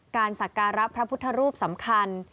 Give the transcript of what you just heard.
การศักรรย์รับพระพุทธรูปสำคัญ